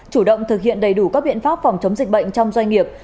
chủ động thực hiện đầy đủ các biện pháp phòng chống dịch bệnh trong doanh nghiệp